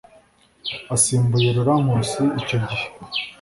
asimbuye Laurent Nkusi icyo gihe